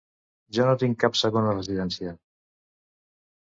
Jo no tinc cap segona residència.